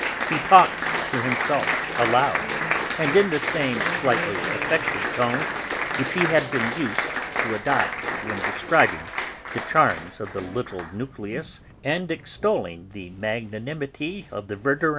He talked to himself, aloud, and in the same slightly affected tone which he had been used to adopt when describing the charms of the 'little nucleus' and extolling the magnanimity of the Verdurins.